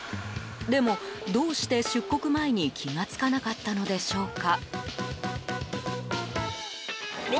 でも、どうして出国前に気が付かなかったのでしょうか。